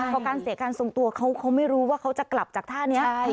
พอการเสียการทรงตัวเขาไม่รู้ว่าเขาจะกลับจากท่านี้